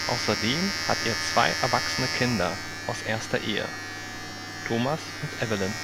Außerdem hat er zwei erwachsene Kinder aus erster Ehe: Thomas und Evelyn.